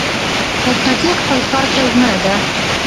مچمچۍ خپل کار ته ژمنه ده